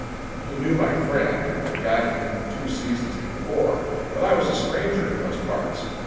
He knew my friend had guided him for two seasons before; but I was a stranger in those parts.